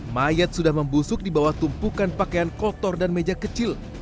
mayat sudah membusuk di bawah tumpukan pakaian kotor dan meja kecil